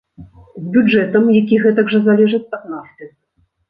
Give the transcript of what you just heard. З бюджэтам, які гэтак жа залежыць ад нафты.